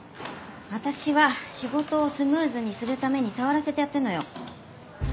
私は仕事をスムーズにするために触らせてやってるのよ。